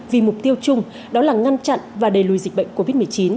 vì mục tiêu chung đó là ngăn chặn và đẩy lùi dịch bệnh covid một mươi chín